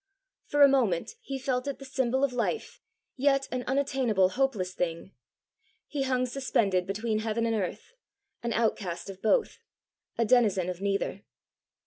For a moment he felt it the symbol of life, yet an unattainable hopeless thing. He hung suspended between heaven and earth, an outcast of both, a denizen of neither!